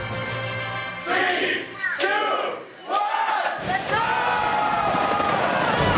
３２１。